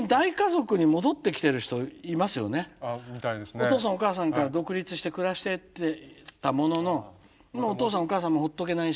お父さんお母さんから独立して暮らしてたもののお父さんお母さんもほっとけないし。